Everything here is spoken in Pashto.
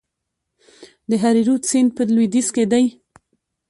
د هریرود سیند په لویدیځ کې دی